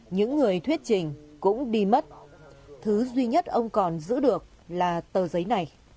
những người thuyết trình cũng bi mất thứ duy nhất ông còn giữ được là tờ giấy này